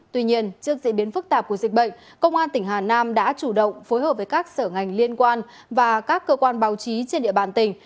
tuy nhiên trước diễn biến phức tạp của dịch bệnh công an tỉnh hà nam đã chủ động phối hợp với các sở ngành liên quan và các cơ quan báo chí trên địa bàn tỉnh